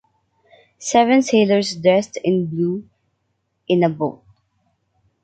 Seven sailors dressed in blue in a boat.